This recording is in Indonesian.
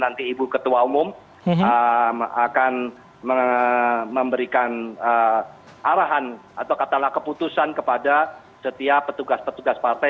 nanti ibu ketua umum akan memberikan arahan atau katalah keputusan kepada setiap petugas petugas partai